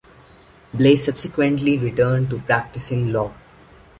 Blais subsequently returned to practicing law.